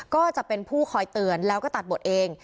ก็จะเป็นผู้คอยเตือนแล้วก็ตัดบทเอง